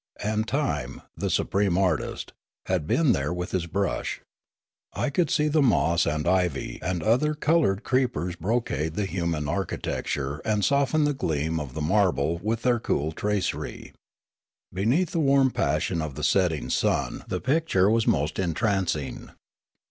And Time, the supreme artist, had been there with his brush. I could see the moss and ivy and other coloured creepers 139 140 Riallaro brocade the human architecture and soften the gleam of the marble with their cool tracer3\ Beneath the warm passion of the setting sun the picture was most entrancing.